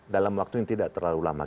dalam waktu yang tidak terlalu lama